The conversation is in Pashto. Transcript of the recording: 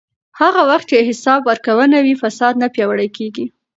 هغه وخت چې حساب ورکونه وي، فساد نه پیاوړی کېږي.